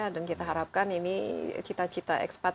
dan kita harapkan ini cita cita